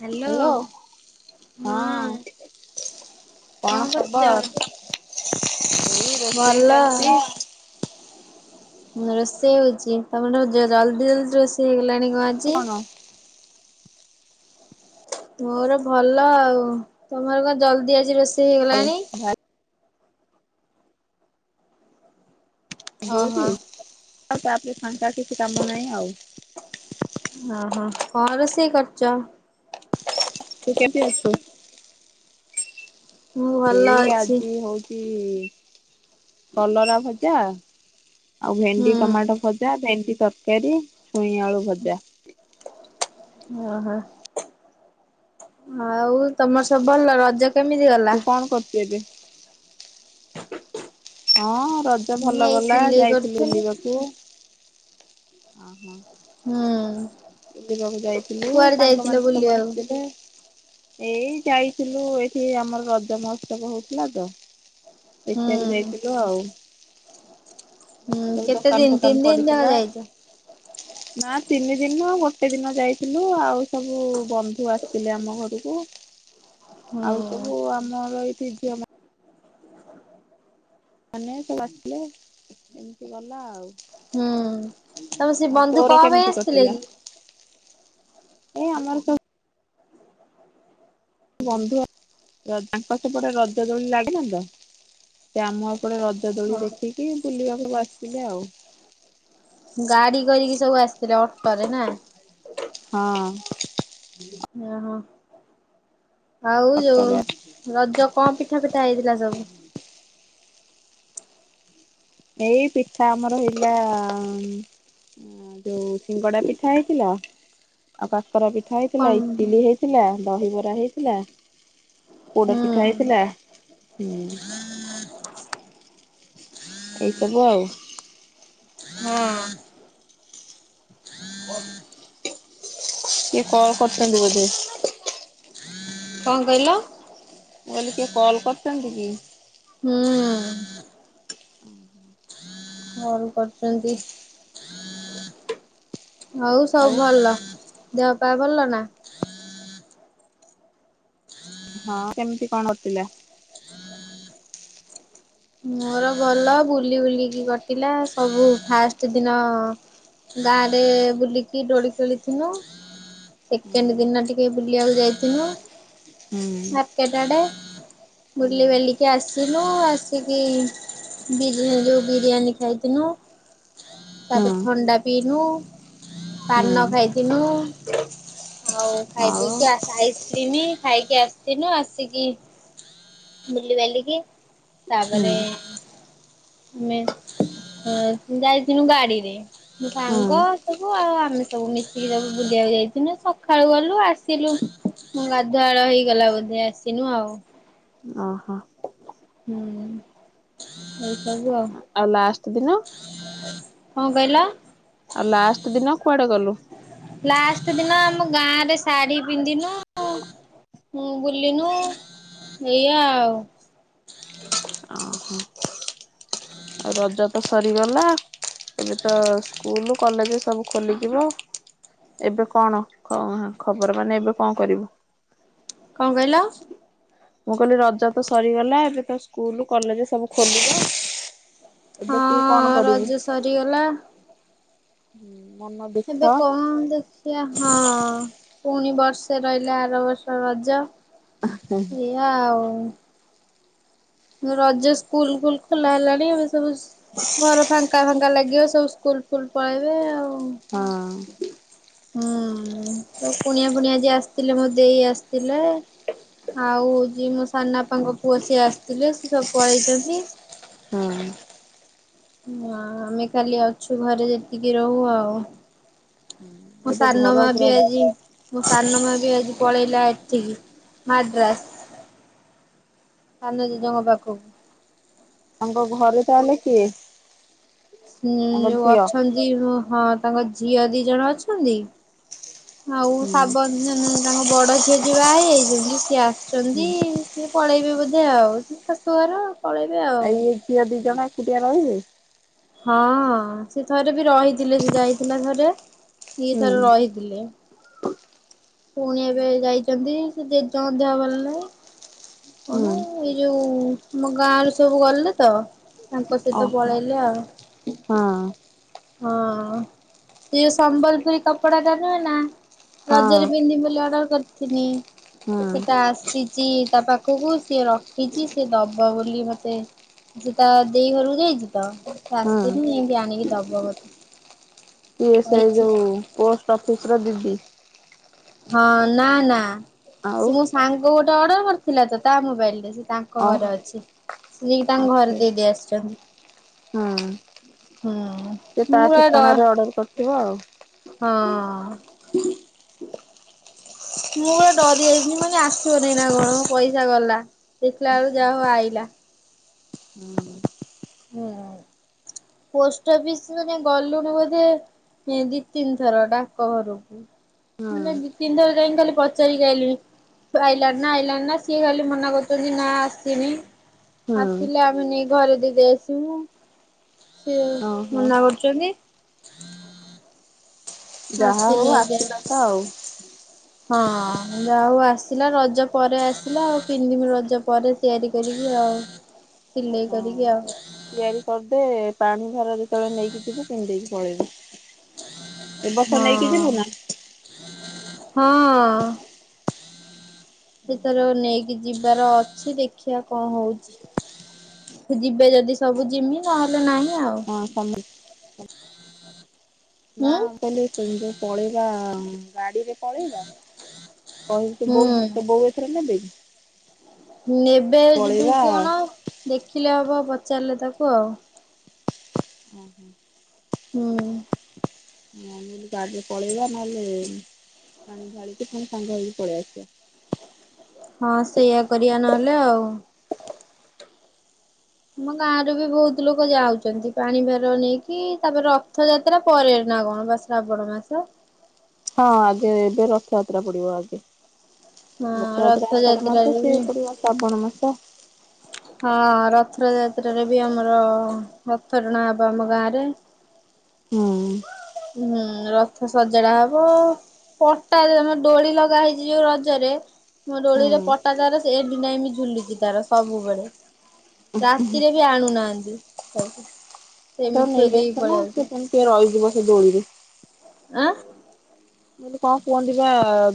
Hello. ହଁ। କଣ କରୁଚ? ଏଇ ରୋଷେଇ ଚାଲିଛି। ହଁ ରୋଷେଇ ହଉଚି। ତମର ଜଲ୍ଦି ଜଲ୍ଦି ରୋଷେଇ ହେଇଗଲାଣି କଣ ଆଜି? ମୋର ଭଲ ଆଉ। ଭାଇ [unintelligible] ଆଉ ଓହୋ ତା ପରେ ଫାଙ୍କା କିଛି କାମ ନାହିଁ ଆଉ। ଓହୋ କଣ ରୋଷେଇ କରୁଚ। ତୁ କେବେ ଆସୁ? ମୁଁ ଭଲ ଏଇ ଅଛି ଆଜି ହଉ ଉଁ କଲରା ଭଜା, ଆଉ ଭେଣ୍ଡି ହୁଁ ଟମାଟୋ ଭ ଭଜା, ଭେଣ୍ଡି ତରକାରୀ, ଛଇଁ ଆଳୁ ଭଜା। ଓ ହୋ। ଆଉ ତମର ସବୁ ଭଲ। ରଜ କେମିତି ଗଲା? ତୁ କଣ କରୁଚୁ ଏବେ? ହଁ ରଜ ମୁଁ ଭଲ ଏଇ ଗଲା, ସିଲେଇ ଯାଇଥିଲି କରୁଥିଲି। ବୁଲିବାକୁ। ଅଁ ହଁ। ହୁଁ। ବୁଲିବାକୁ ଯାଇଥିଲୁ। କୁଆଡେ ଯାଇଥିଲ ସାଙ୍ଗମାନେ ସବୁ ବୁଲିବାକୁ? ଆସିଥିଲେ। ଏଇ ଯାଇଥିଲୁ ଏଠି ଆମର ରଜ ମହୋତ୍ସବ ହଉଥିଲା ତ। ହୁଁ ଦେଖିବାକୁ ଯାଇଥିଲୁ ଆଉ। ହୁଁ ସବୁ କେତେ ଦୋକାନ ଦିନ ତିନି ଫୋକାନ ଦିନ ଯାକ ପଡିଥିଲା। ଯାଇଛ? ନା ତିନି ଦିନ୍ ମୁଁ ଗୋଟେ ଦିନ ଯାଇଥିଲୁ ଆଉ ସବୁ ବନ୍ଧୁ ଆସିଥିଲେ ଆମ ଘରକୁ। ଆଉ ହୁଁ ସବୁ ଆମର ଏଇଠି ଝିଅମା ମାନେ ସବୁ ଆସିଲେ। ଏମିତି ଗଲା ଆଉ। ହୁଁ। ତମେ ସେ ଆଉ ବନ୍ଧୁ ତୋର କଣ ପାଇଁ କେମିତି ଆସିଥିଲେ କି? କଟିଲା? ବନ୍ଧୁ। ତାଙ୍କ ସେପଟେ ରଜ ଦୋଳି ଲାଗନା ତ। ସେ ଆମ ପଟେ ରଜ ରଜ ଦୋଳି ହଁ ଦେଖିକି ବୁଲିବାକୁ ଆସିଥିଲେ ଆଉ। ଗାଡି କରିକି ସବୁ ଆସିଥିଲେ ଅଟୋରେ ନା। ହଁ। ଓହୋ। ଆଉ ସତରେ ଯୋଉ ରଜ କଣ ପିଠା ଫିଠା ହେଇଥିଲା ସବୁ? ଏଇ ପିଠା ଆମର ହେଇଥିଲା। ଯୋଉ ସିଙ୍ଗଡ଼ା ପିଠା ହେଇଥିଲା। ଆଉ କା କାକରା ପିଠା କଣ ହେଇଥିଲା, ଇଟିଲି ହେଇଥିଲା, ଦହିବରା ହେଇଥିଲା। ପୋଡ ହୁଁ ପିଠା ହେଇଥିଲା। ଏଇସବୁ ଆଉ। ହଁ କିଏ କଲ କରିଛନ୍ତି ବୋଧେ। କଣ କହିଲ? ବୋଲି କିଏ କଲ୍ କରିଛନ୍ତି କି? ହୁଁ ହଁ ହଁ କଲ କରିଛନ୍ତି। ହଉ ଆଉ ସବୁ ଭଲ ଦେହପା ଭଲ ନା? ହଁ କେମିତି କଣ ହଉଥିଲା? ମୋର ଭଲ ବୁଲି ବୁଲିକି କଟିଲା ସବୁ ଫାଷ୍ଟ ଦିନ ଗାଁ ରେ ବୁଲିକି ଡୋଳି ଖେଳିିଥିଲ। ହୁଁ ସେକେଣ୍ଡ ଦିନ ଟିକେ ବୁଲିବାକୁ ଯାଇଥିନୁ। ହୁଁ ମାର୍କେଟ ଆଡେ ହୁଁ ବୁଲି ବେଲିକି ଆସିନୁ ଆସି ସେି ବିରି ଯୋଉ ବିରିୟାନୀ ଖାଇଥିନୁ ତାପରେ ଥଣ୍ଡା ପିଇିନୁ ହୁଁ ପାନ ଖାଇଥିନୁ। ହଉ ଖାଇ ଆଉ ପିକି ଆଇ ଆଇସ୍କ୍ରିମ ଖାଇକି ଆସିଥନୁ ଆସିକି। ମୁଲି ବାଲିକି? ହୁଁ ତାପରେ ଆମେ ଯାଇଥିଲିନୁ ଗାଡିରେ ମୋ ହୁଁ ସାଙ୍ଗ ସବୁ ଆଉ ଆମେ ସବୁ ମିଶିକି ସବୁ ବୁଲିବାକୁ ଯାଇଥିଲୁ ସକାଳୁ ଗଲୁ ଆସିଲୁ। ହଁ ଗାଧୁଆଳ ହେଇଗଲା ବୋଧେ ଆସିନୁ ଆଉ। ଓହୋ ହୁଁ ଏଇସବୁ ଆଉ। ଆଉ ଲାଷ୍ଟ ଦିନ। କଣ କହିଲ? ଆଉ ଲାଷ୍ଟ ଦିନ କୁଆଡେ ଗଲୁ? ଲାଷ୍ଟ ଦିନ ଆମ ଗାଁ ରେ ଶାଢୀ ପିନ୍ଧିନୁ। ମୁଁ ବୁଲିନୁ ଏଇଆ ଆଉ ଓ ହୋ ହ ଆଉ ରଜ ତ ସରିଗଲା ଏବେ ତ ସ୍କୁଲ କଲେଜ ସବୁ ଖୋଲିଯିବ ଏବେ କଣ ଖବର ମାନେ ଏବେ କଣ କରିବୁ? କଣ କହିଲ? ମୁଁ କହିଲି ରଜ ତ ସରିଗଲା ଏବେ ତ ସ୍କୁଲ କଲେଜ ସବୁ ଖୋଲିବ ଏବେ ତୁ କଣ ହଁ କରିବୁ ରଜ ସରିଗଲା। ହୁଁ ମନ ବି ଏବେ କଣ ଦେଖିଆ ହଁ ପୁଣି ବର୍ଷେ ରହିଲା ଆର ବର୍ଷ ରଜ ଏଇଆ ଆଉ। ରଜ ସ୍କୁଲଲ ଖୋଲା ହେଲାଣି ଏ ସବୁ ଘର ଫାଙ୍କା ଫାଙ୍କା ଲାଗିବ ସବୁ ସ୍କୁଲ ଫୁଲ ପଳେଇବେ ଆଉ। ହଁ। ହୁଁ କୁଣିଆ ପୁଣିଆ ଆଜି ଆସିଥିଲେ ମୋ ଦେଇ ଆସିଥିଲେ। ଆଉ ଯିଏ ମୋ ସାନ ବାପାଙ୍କ ପୁଅ ସିଏ ଆସିଥିଲେ ସେ ସବୁ ପଳେଇଛନ୍ତି। ହଁ। ହଁ ଆମେ କାଲି ଅଛୁ ଘରେ ଯେତିକି ରହୁ ଆଉ। ମୁଁ ଏବେ ସାନ ଘର ମା ବି ପୁରା ଆଜି। ମୋ ସାନ ମା ବି ଆଜି ପଳେଇଲା ଏଠିକି ମାଡ୍ରାସ୍। ସାନ ଜେଜଙ୍କ ପାଖକୁ। ତାଙ୍କ ଘରେ ତାହଲେ କିଏ? ହୁଁ ତାଙ୍କ ଯୋଉ ଝିଅ ଅଛନ୍ତି ହଁ ତାଙ୍କ ଝିଅ ଦି ଜଣ ଅଛନ୍ତି। ଆଉ ହୁଁ ସାବ ତାଙ୍କ ବଡ଼ ଝିଅ ଯିଏ ବାହା ହେଇଯାଇଚନ୍ତି ସିଏ ହୁଁ। ଆସିଛନ୍ତି। ସିଏ ପଳେଇବେ ବୋଧେ ଆଉ ଶାଶୁ ଘର। ଏଇ ଝିଅ ଦି ଜଣ ଏକୁଟିଆ ରହିବେ। ହଁ ସେ ଥରେ ବି ରହିଥିଲେ ସେ ଯାଇଥିଲା ଥରେ ସିଏ ହୁଁ ଥରେ ରହିଥିଲେ। ପୁଣି ଏବେ ଯାଇଚନ୍ତି ଯ ତାଙ୍କ ଦେହ ଭଲ ନାଇଁ। ହୁଁ। କଣ ଏଇ ଯୋଉ ମ ଗାଁର ସବୁ ଭଲ ନିତ। ତାଙ୍କ ସହିତ ଓହୋ ପଳେଇଲେ ଆଉ। ହଁ ହଁ ସେ ସମ୍ବଲପୁରୀ କପଡ଼ା ଟା ନହେ ନା ହଁ ରଜରେ [unintelligible] ହଁ ସେଟା ଆସିଚି ତା ପାଖକୁ ସିଏ ରଖିଛି ସିଏ ଦବ ବୋଲି ମତେ ସେ ତା ଦେଇ ଘରକୁ ଯାଇଚି ତ ସେ ଆସିନି ହଁ ଯାଇକି ଆଣିକି ଦବ ମତେ। ଇଏ ସେ କହିଛି। ଯୋଉ ପୋଷ୍ଟ ଅଫିସର ଦିଦି। ହଁ ନା, ନା ଆଉ ସେ ମୋ ସାଙ୍ଗ ଗୋଟେ ଅର୍ଡର କରିଥିଲା ତ ତା ମୋବାଇଲ ରେ ସେ ତାଙ୍କ ଓହୋ ଘରେ ଅଛି ସେ ତାଙ୍କ ଘରେ ଦେଇଦେଇ ଆସିଚନ୍ତି। ହୁଁ। ହୁଁ। ସେ ମୁଁ ତା ପୁରା ଡ ଠିକଣାରେ ଅର୍ଡର କରିଥିବ ଆଉ? ହଁ। [inaudible] ମୁଁ ପୁରା ଡ଼ରି ଯାଇଖିଲି ମୁଁ କହିଲି ଆସିବ ନାଇଁ ନା କଣ ମୋ ପଇସା ଗଲା ଦେଖିଲା ବେଳକୁ ଯାହା ହଉ ଆଇଲା। [inaudible] ହୁଁ ପୋଷ୍ଟ ଅଫିସ ମାନେ ଗଲୁଣୁ ବୋଧେ। ହେ ଦି ତିନି ଥର ଡାକ ଘରକୁ ହଁ ମାନେ ଦି ତିନିଥର ଯାଇକି ଖାଲି ପଚାରିକି ଆଇଲିଣି। ଆଇଲାଣି ନା, ଆଇଲାଣି ନା ସିଏ ଖାଲି ମନା କରୁଚନ୍ତି ନା ଆସିନି। ହଁ ଆସିଲେ ଆମେ ନେଇ ଘରେ ଦେଦେଇ ଆସି ଆସିବୁ ସେ ଓହୋ ମନା କରୁଚନ୍ତି। ଯାହା ହଉ ଆସିନି ଏଯାଏଁ। ଆସିଲ ତ ଆଉ। ହଁ ଯା ହଉ ଆସିଲା ରଜ ପରେ ଆସିଲା ଆଉ ତିନି ଦିନ ରଜ ପରେ ତିଆରି କରିବି ଆଉ ସିଲେଇ ହଁ କରିବି ଆଉ। ତିଆରି କରିଦେ ପାଣି ଭାର ଯେତେବେଳେ ନେଇକି ଯିବୁ ପିନ୍ଧେଇ କି ପଳେଇବେୁ। ହଁ, ହଁ। ଏଥର ନେଇକି ଯିବାର ଅଛି ଦେଖିବା କଣ ହଉଚି। ଯିବେ ଯଦି ସବୁ ଜିମି ନହେଲେ ନାହିଁ। ଆଉ ହଁ [unintelligible] ନା ହୁଁ ମୁଁ କହିଲି [unintelligible] ପଳେଇବା ଗାଡିରେ ପଳେଇବା। କହିଲି ତ ବୋଉ ତ ହୁଁ। ବୋଉ ଏଥରେ ନେବେ। ନେବେ ଆଉ ଯିବି ପଳେଇବା କିୟଣ ଦେଖିଲେ ହବ ପଚାରିଲେ ତାକୁ ଆଉ। ଓହୋ। ହୁଁ। ଅନିଲି ଗାଡିରେ ପଳେଇବା ନହେଲେ ପାଣି ଢାଳିକି ଫୁଣି ସାଙ୍ଗ ହେଇକି ପଳେଇ ଆସିବା। ହଁ ସେଇଆ କରିବା ନହେଲେ ଆଉ। ଆମ ଗାଁ ରରୁ ବି ବହୁତ୍ ଲୋକ ଯାଉଛନ୍ତି ପାଣି ଭାର ନେଇକି ତାପରେ ରଥଯାତ୍ରା ପରେ ନା କଣ ବାସ ଶ୍ରାବଣ ମାସ। ହଁ ଆଗେ ଏବେ ରଥଯାତ୍ରା ପଡ଼ିବ ଆଗେ। ହଁ ରଥଯାତ୍ରା ଆଷାଢ଼ ମାସ ରଥଯାତ୍ରାରେ ସିଏ ବି ପଡ଼ିବ ଶ୍ରାବଣ ମାସ। ହଁ ରଥଯାତ୍ରା ରେ ବି ଆମର ରଥ ଟଣା ହବ ଆମ ଗାଁ ରେ। ହୁଁ। ହୁଁ ରଥ ସଜଡ଼ା ହବ। ପଟା ରେ ଦୋଳି ଲଗା ହେଇଛି ଯୋଉ ରଜରେ ମୋ ଦୋଳିରେ ଆଉ ପଟା ତାର [unintelligible] ଝୁଲୁଛି ତାର ସବୁବେଳେ। ରାତିରେ ବି ଆଣୁନାହାନ୍ତି ତାକୁ। ଆ ତାକୁ ସେମିତି ନେଇ ଥୋଇ ଦେଇକି ଆସନା ପଳେଇ ଆଉଛୁ ସେ ସେମିତି ରହିଯିବ ସେ ଦୋଲିରେ। ଆଁ [unintelligible] କଣ କୁହନ୍ତି ବା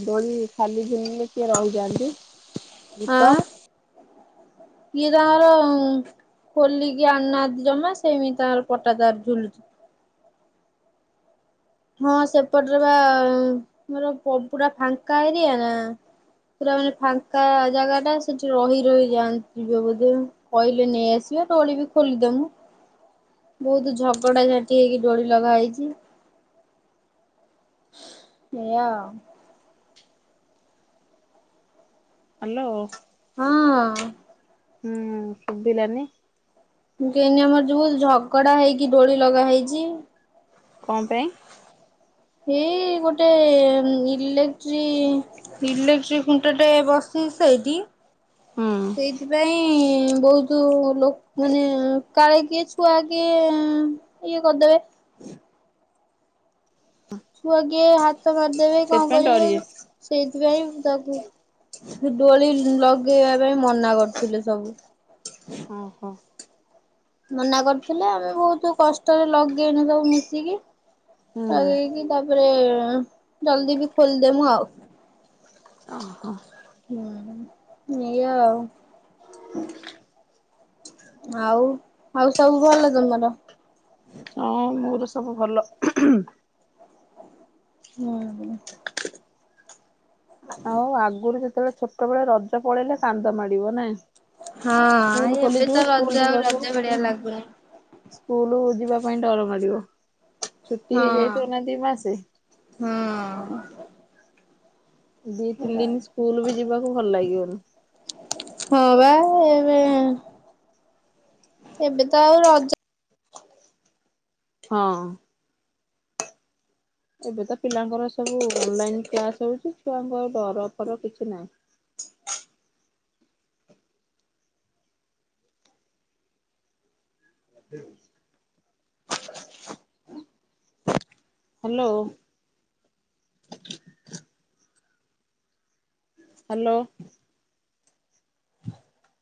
ଦୋଳି ଖାଲି ଝୁଲିଲେ କିଏ ରହିଯାନ୍ତି। ଭୂତ। କିଏ ତାଙ୍କର ଖୋଲିକି ଆଣୁ ନାହାନ୍ତି ଜମା ସେମିତି ତାଙ୍କର ପଟା ତାର ଝୁଲୁଛି। ହଁ ସେପଟରେ ବା ମୋର ପୁରା ଫାଙ୍କା ଏରିଆ ନା। ପୁରା ମାନେ ଫାଙ୍କା ଜାଗା ଟା ସେଠି ରହି ରହି ଯାଆନ୍ତି ଥିବେ ବୋଧେ। କହିଲେ ନେଇ ଆସିବେ ଦୋଳି ବି ଖୋଲି ଦବୁ। ବହୁତ୍ ଝଗଡା ଝାଟି ହେଇକି ଦୋଳି ଲଗା ହେଇଛି। ଏଇଆ। ହ୍ୟାଲୋ। ହଁ। ହୁଁ ଶୁଭିଲାନି। ମୁଁ କହିଲି ଆମର ଯୋଉ ଝଗଡ଼ା ହେଇକି ଦୋଳି ଲଗା ହେଇଛି। କଣ ପାଇଁ? ଏଇ ଗୋଟେ ଇଲେକ୍ଟ୍ରି ଇଲେକ୍ଟ୍ରି ଖୁଣ୍ଟ ଟେ ବସିଛି ସେଇଠି ହୁଁ ସେଇଥିପାଇଁ ବହୁତ୍ ଯୋଉ ଲୋକମାନେ କାଳେ କିଏ ଛୁଆ କିଏ ଇଏ କରିଦେବେ। ଛୁଆ କିଏ ହାତ ମାରିଦେବେ କଣ ସେଥିପାଇଁ କରିବେ ଡରି ସେଇଥିପାଇଁ ତାକୁ ଦୋଳି ଲଗେଇବା ପାଇଁ ମନା କରୁଥିଲେ ସବୁ। ଓ ହୋ। ମନା କରୁଥିଲେ ଆମେ ବହୁତ୍ କଷ୍ଟରେ ଲଗେଇଲୁ ସବୁ ମିଶିକି। ହୁଁ ଲଗେଇକି ତାପରେ ଜଲଦି ବି ଖୋଲିଦେମୁ ଆଉ। ଓହୋ। ହୁଁ ଏଇଆ ଆଉ। ଆଉ ଆଉ ସବୁ ଭଲ ତମର? ହଁ ମୋର ସବୁ ଭଲ। ହୁଁ ହୁଁ। [unintelligible] ଆଉ ଆଗରୁ ଯେତେବେଳେ ଛୋଟବେଳେ ରଜ ପଳେଇଲେ କାନ୍ଦ ମାଡି଼ବ ନାଇଁ? ସ୍କୁଲ ହଁ ଏବେ ଖୋଲିଯିବ ତ ରଜ ସ୍କୁଲ ଆଉ ଯିବାକୁ ରଜ ଭଳିଆ ଲାଗୁନି। ସ୍କୁଲ ଯିବା ପାଇଁ ଡ଼ର ମାଡି଼ବ ଛୁଟି ହେଇଯାଇଥିବ ନା ଦି ମାସେ। ହୁଁ। ଦି ତିନି ଦିନ ସ୍କୁଲ ବି ଯିବାକୁ ଭଲ ଲାଗିବନି? ହଁ ବା ଏବେ ଏବେ ତ ଆଉ ରଜ ହଁ। ଏବେ ତ ପିଲାଙ୍କର ସବୁ ଅନଲାଇନ କ୍ଲାସ ହଉଛି ଛୁଆଙ୍କ ଡର ଫର କିଛି ନାହିଁ। [inaudible] ହ୍ୟାଲୋ। ହ୍ୟାଲୋ। [inaudible]